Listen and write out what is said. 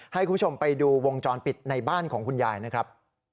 ให้คุณผู้ชมไปดูวงจรปิดในบ้านของคุณยายนะครับ